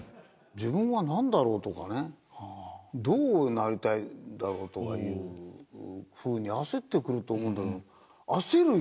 自分はなんだろう？とかねどうなりたいんだろう？とかいうふうに焦ってくると思うんだけど焦る様子ないよな。